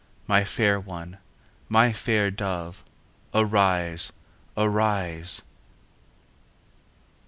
My fair one, my fair dove, Arise, arise!